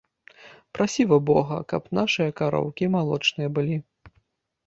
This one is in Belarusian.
Прасі во бога, каб нашы кароўкі малочныя былі.